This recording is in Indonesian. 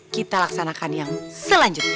kita laksanakan yang selanjutnya